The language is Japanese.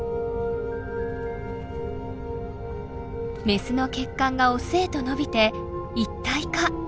メスの血管がオスへと伸びて一体化。